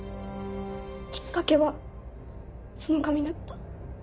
きっかけはその紙だった。